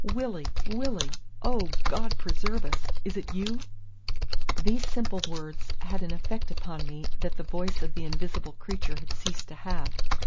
"Willie, Willie! Oh, God preserve us! is it you?" These simple words had an effect upon me that the voice of the invisible creature had ceased to have.